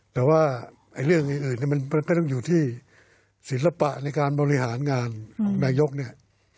แต่ว่าเรื่องอื่นมันก็ต้องอยู่ที่ศิลปะในการบริหารงานของนายกเนี่ย